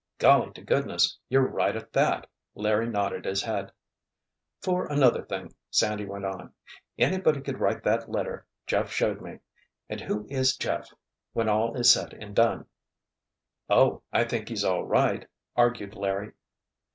"Golly to goodness, you're right, at that!" Larry nodded his head. "For another thing," Sandy went on, "anybody could write that letter Jeff showed me—and who is Jeff, when all is said and done?" "Oh, I think he's all right," argued Larry.